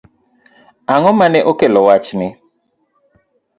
Ang'o mane okelo wachni?